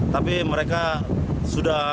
tapi mereka sudah